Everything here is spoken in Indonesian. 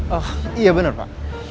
oh iya benar pak